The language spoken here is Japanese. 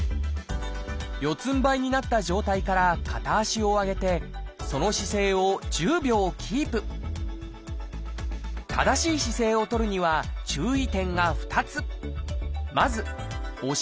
四つんばいになった状態から片足を上げてその姿勢を１０秒キープ正しい姿勢を取るには注意点が２つ。